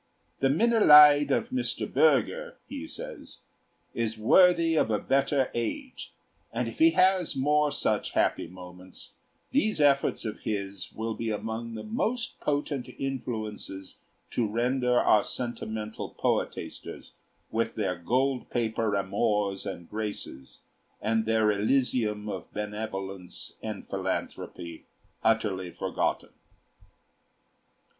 "The 'Minnelied' of Mr. Bürger," he says, "is worthy of a better age; and if he has more such happy moments, these efforts of his will be among the most potent influences to render our sentimental poetasters, with their gold paper Amors and Graces and their elysium of benevolence and philanthropy, utterly forgotten."